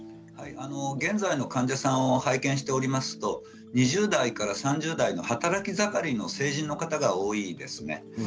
現在の患者さんを拝見しておりますと２０代から３０代の働き盛りの成人の方が多いですね。